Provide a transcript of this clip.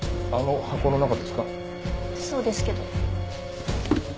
そうですけど。